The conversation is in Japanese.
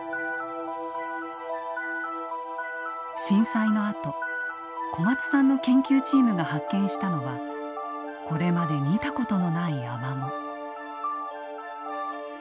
震災のあと小松さんの研究チームが発見したのはこれまで見たことのないアマモ。